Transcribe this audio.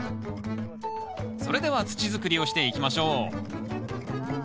それでは土づくりをしていきましょう。